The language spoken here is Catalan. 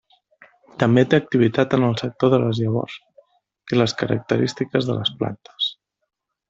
També té activitat en el sector de les llavors i les característiques de les plantes.